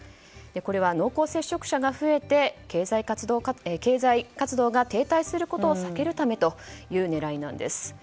これは濃厚接触者が増えて経済活動が停滞することを避けるためという狙いなんです。